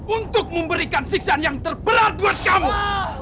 untuk memberikan siksan yang terberat buat kamu